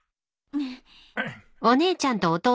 うん。